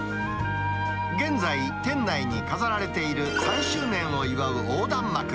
現在、店内に飾られている、３周年を祝う横断幕。